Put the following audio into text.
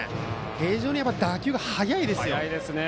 非常に打球が速いですよ。